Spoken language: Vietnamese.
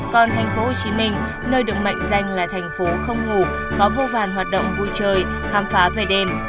còn thành phố hồ chí minh nơi được mệnh danh là thành phố không ngủ có vô vàn hoạt động vui chơi khám phá về đêm